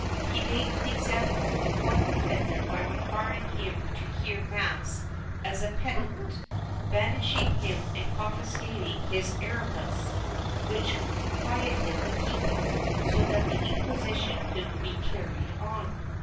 He made an example of one offender by requiring him to hear mass as a penitent, banishing him and confiscating his arquebus, which quieted the people, so that the Inquisition could be carried on.